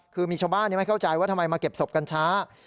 คือมีชาวบ้านไม่เข้าใจว่าทำไมมาเก็บศพกันช้า